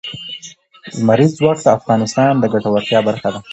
لمریز ځواک د افغانانو د ګټورتیا برخه ده.